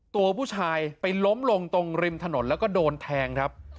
ตัวผู้ชายไปล้มลงตรงริมถนนแล้วก็โดนแทงครับ